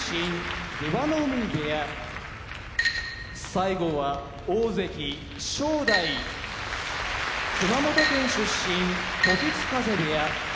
出羽海部屋大関・正代熊本県出身時津風部屋